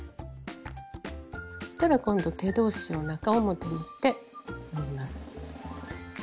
そしたら今度手同士を中表にして縫います。